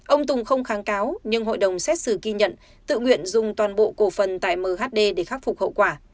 ông tùng không kháng cáo nhưng hội đồng xét xử ghi nhận tự nguyện dùng toàn bộ cổ phần tại mhd để khắc phục hậu quả